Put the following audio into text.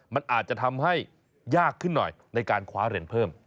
มันอาจจะทำให้ยากขึ้นหน่อยในการคว้าเหรียญเพิ่ม